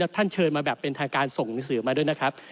เชิญมาแบบเป็นทางการส่งหนังสือมาด้วยนะครับ